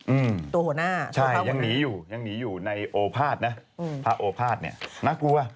อืมใช่ยังหนีอยู่ยังหนีอยู่ในโอภาษณ์นะพระโอภาษณ์เนี่ยน่ากลัว